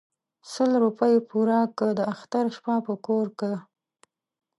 ـ سل روپۍ پوره كه داختر شپه په كور كه.